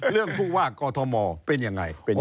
เรื่องผู้ว่ากอทมเป็นอย่างไร